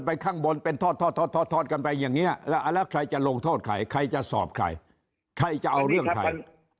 ไปสอบยังไงใครจะขอบความคิดให้เดียวกัน